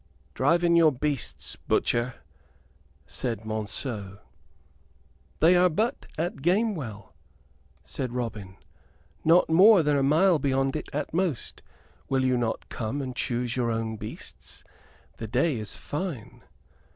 "Drive in your beasts, butcher," said Monceux. "They are but at Gamewell, excellence," said Robin; "not more than a mile beyond it at most. Will you not come and choose your own beasts? The day is fine."